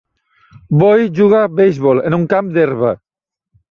Boy juga beisbol en un camp d'herba